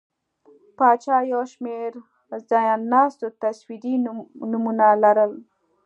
پاچا یو شمېر ځایناستو تصویري نومونه لرل.